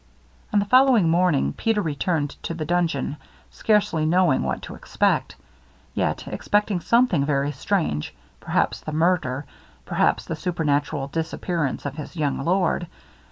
On the following morning Peter returned to the dungeon, scarcely knowing what to expect, yet expecting something very strange, perhaps the murder, perhaps the supernatural disappearance of his young lord.